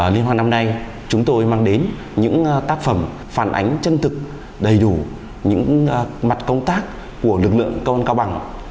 liên hoan năm nay chúng tôi mang đến những tác phẩm phản ánh chân thực đầy đủ những mặt công tác của lực lượng công an cao bằng